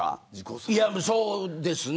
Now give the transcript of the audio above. いや、そうですね。